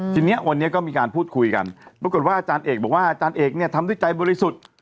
ทีนี้วันนี้ก็มีการพูดคุยกันปรากฏว่าอาจารย์เอกบอกว่าอาจารย์เอกเนี่ยทำด้วยใจบริสุทธิ์